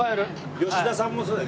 吉田さんもそうだよね。